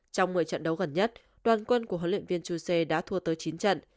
trong một mươi trận đấu gần nhất đoàn quân của huấn luyện viên chuse đã thua tới chín trận